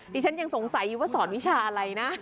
ดิฉันยังสงสัยอยู่ว่าสอนวิชาอะไรนะ